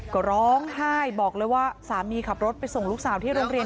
ก็ร้องไห้บอกเลยว่าสามีขับรถไปส่งลูกสาวที่โรงเรียน